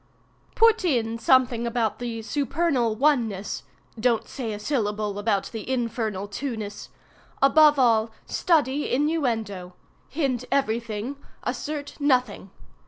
Put in something about the Supernal Oneness. Don't say a syllable about the Infernal Twoness. Above all, study innuendo. Hint everything—assert nothing.